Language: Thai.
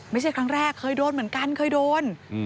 ไม่ใช่ครั้งแรกเคยโดนเหมือนกันเคยโดน